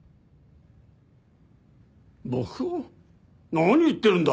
何言ってるんだ！